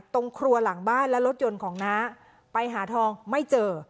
ตรงครัวหลังบ้านและรถยนต์ของน้าไปหาทองไม่เจอ